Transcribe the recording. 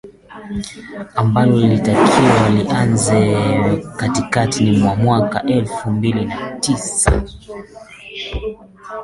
Ambalo lilitakiwa lianze katikati mwa mwaka wa elfu mbili na tisa